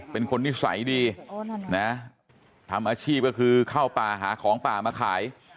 เป็นคนนิสัยดีนะทำอาชีพก็คือเข้าป่าหาของป่ามาขาย